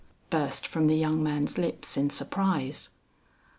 burst from the young man's lips in surprise.